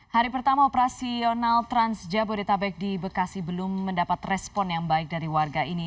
hari pertama operasional trans jabodetabek di bekasi belum mendapat respon yang baik dari warga ini